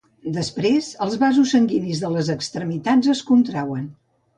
Després, els vasos sanguinis de les extremitats es contrauen.